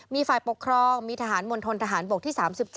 มีฝ่ายปกครองมีทหารมณฑนทหารบกที่๓๗